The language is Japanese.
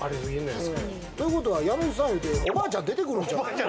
ということは、家主さん言うて、おばあちゃん出てくるんちゃう。